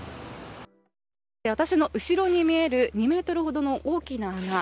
私の後ろに見える２ｍほどの大きな穴。